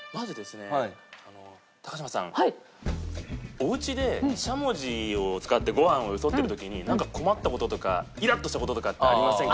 おうちでしゃもじを使ってご飯をよそってる時になんか困った事とかイラッとした事とかってありませんか？